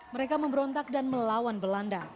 mereka memberontak dan melawan belanda